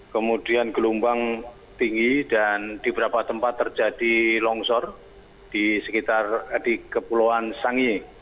kemudian gelombang tinggi dan di beberapa tempat terjadi longsor di sekitar di kepulauan sangi